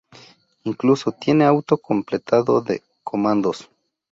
Incluso tiene auto-completado de comandos.